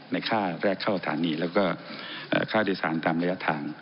ค่าแรกเข้าสถานีแล้วก็ค่าโดยสารตามระยะทาง